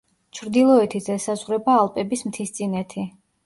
ჩრდილოეთით ესაზღვრება ალპების მთისწინეთი.